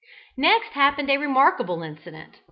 Next happened a remarkable incident.